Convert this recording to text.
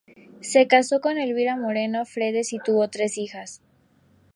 Se casó con Elvira Moreno Fredes y tuvo tres hijas.